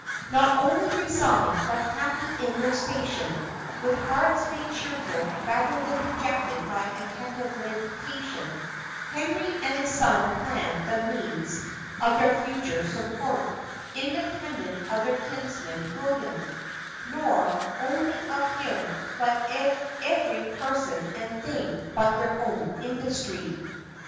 Not only resigned, but happy in their station, with hearts made cheerful rather than dejected by attentive meditation, Henry and his son planned the means of their future support, independent of their kinsman William nor only of him, but of every person and thing but their own industry.